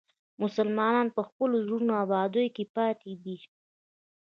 مسلمانان په خپلو زړو ابادیو کې پاتې دي.